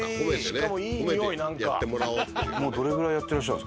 しかもいいにおいなんか。